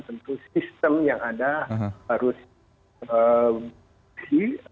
tentu sistem yang ada harus di